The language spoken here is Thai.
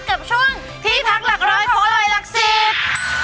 กับช่วงที่พักหลักร้อยของอร่อยหลักสิบ